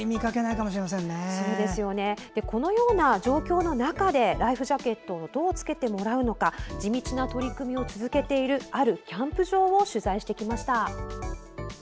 このような状況の中でライフジャケットをどう着けてもらえるのか地道な取り組みを続けているあるキャンプ場を取材しました。